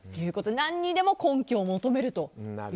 何にでも根拠を求めると。